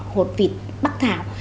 hột vịt bắc thảo